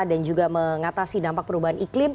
dan juga mengatasi dampak perubahan iklim